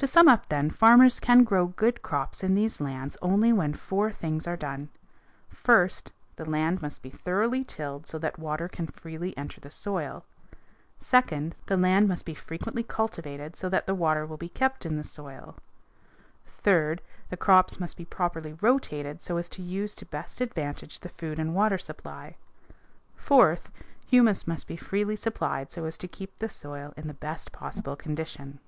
To sum up, then, farmers can grow good crops in these lands only when four things are done: first, the land must be thoroughly tilled so that water can freely enter the soil; second, the land must be frequently cultivated so that the water will be kept in the soil; third, the crops must be properly rotated so as to use to best advantage the food and water supply; fourth, humus must be freely supplied so as to keep the soil in the best possible condition.